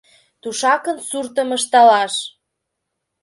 Тушакын суртым ышталаш